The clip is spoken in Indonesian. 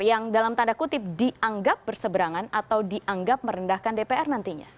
yang dalam tanda kutip dianggap berseberangan atau dianggap merendahkan dpr nantinya